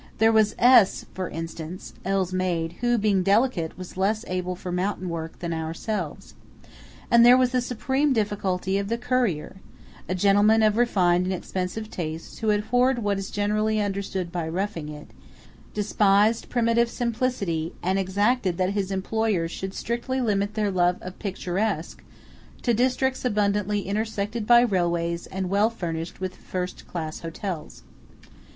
There was S––, for instance (L.'s maid), who, being delicate, was less able for mountain work than ourselves. And there was the supreme difficulty of the courier–a gentleman of refined and expensive tastes, who abhorred what is generally understood by "roughing it," despised primitive simplicity, and exacted that his employers should strictly limit their love of picturesque to districts abundantly intersected by railways and well furnished with first class hotels.